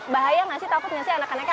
bahaya nggak sih takut nggak sih anak anaknya